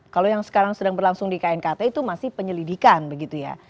kalau yang sekarang sedang berlangsung di knkt itu masih penyelidikan begitu ya